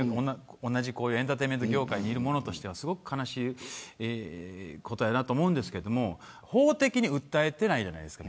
同じエンターテインメント業界にいるものとしてはすごく悲しいことだと思うんですけど法的に訴えてないじゃないですか。